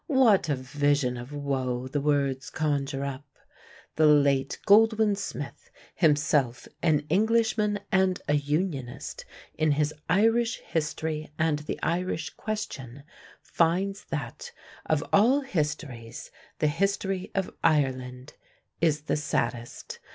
What a vision of woe the words conjure up. The late Goldwin Smith, himself an Englishman and a Unionist, in his Irish History and the Irish Question, finds that "of all histories, the history of Ireland is the saddest.